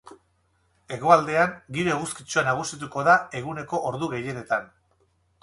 Hegoaldean giro eguzkitsua nagusituko da eguneko ordu gehienetan.